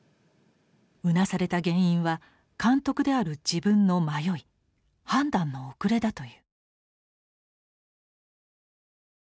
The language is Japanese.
うなされた原因は監督である自分の迷い判断の遅れだという。